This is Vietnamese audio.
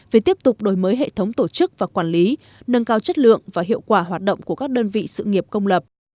về tiếp tục đổi mới hệ thống tổ chức và quản lý nâng cao chất lượng và hiệu quả hoạt động của các đơn vị sự nghiệp công lập